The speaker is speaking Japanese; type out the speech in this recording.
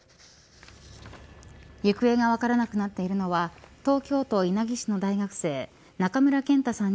行方が分からなくなっているのは東京都稲城市の大学生中村健太さん